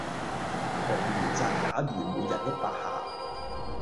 強如責打愚昧人一百下